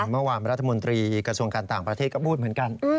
เมื่อวานรัฐมนตรีกระทรวงการต่างประเทศก็พูดเหมือนกัน